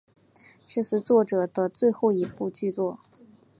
这是作者的最后一部剧作。